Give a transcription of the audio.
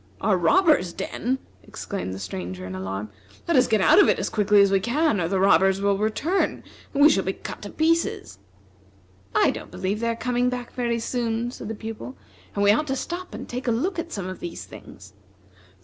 "A robber's den!" exclaimed the Stranger in alarm; "let us get out of it as quickly as we can, or the robbers will return, and we shall be cut to pieces." "I don't believe they are coming back very soon," said the Pupil, "and we ought to stop and take a look at some of these things."